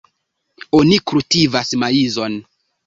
Oni kultivas maizon.